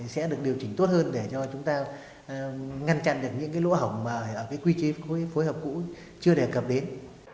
sẽ được điều chỉnh tốt hơn để cho chúng ta ngăn chặn được những cái lỗ hổng mà ở cái quy chế phối hợp cũ chưa đề cập đến